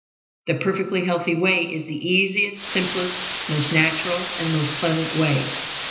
The perfectly healthy way is the easiest, simplest, most natural, and most pleasant way.